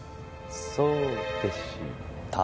そうでした？